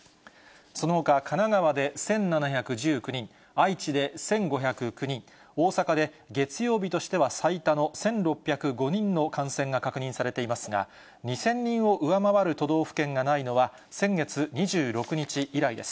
そのほか神奈川で１７１９人、愛知で１５０９人、大阪で月曜日としては最多の１６０５人の感染が確認されていますが、２０００人を上回る都道府県がないのは、先月２６日以来です。